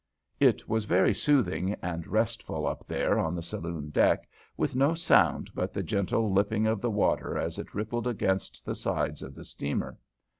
It was very soothing and restful up there on the saloon deck, with no sound but the gentle lipping of the water as it rippled against the sides of the steamer.